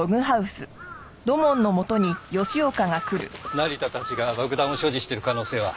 成田たちが爆弾を所持している可能性は？